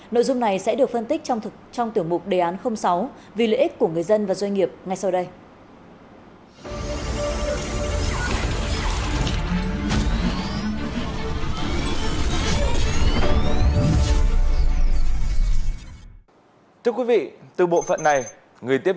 nội dung này sẽ được phân tích trong tiểu mục đề án sáu vì lợi ích của người dân và doanh nghiệp